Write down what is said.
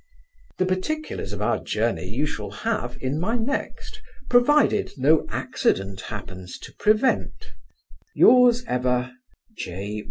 The particulars of our journey you shall have in my next, provided no accident happens to prevent, Yours ever, J.